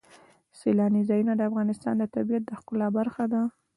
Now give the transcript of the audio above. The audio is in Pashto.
سیلانی ځایونه د افغانستان د طبیعت د ښکلا برخه ده.